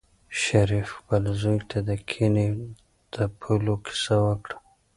شریف خپل زوی ته د کلي د پولو کیسه وکړه.